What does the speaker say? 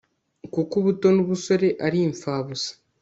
kuko ubuto n'ubusore ari impfabusa